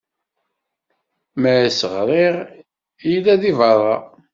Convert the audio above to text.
Mi as-ɣriɣ, yella deg beṛṛa.